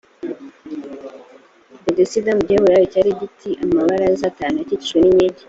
betesida mu giheburayo cyari gi te amabaraza atanu akikijwe n inkingi